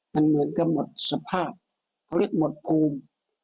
มันเหมือนกับหมดสภาพเขาเรียกหมดภูมิ